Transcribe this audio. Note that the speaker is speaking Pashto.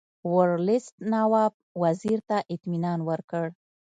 ورلسټ نواب وزیر ته اطمینان ورکړ.